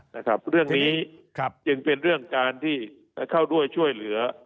นะครับเรื่องนี้ครับจึงเป็นเรื่องการที่จะเข้าด้วยช่วยเหลือ